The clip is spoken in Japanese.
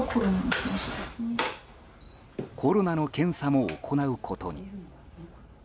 コロナの検査も行うことに。